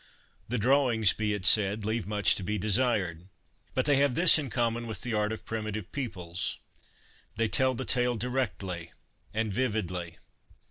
The drawings, be it said, leave much to be desired, but they have this in common with the art of primitive peoples : they tell the tale directly and vividly.